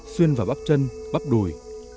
xuyên vào bắp chân bắp đùi